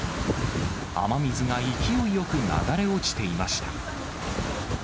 雨水が勢いよく流れ落ちていました。